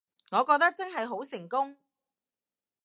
我覺得真係好成功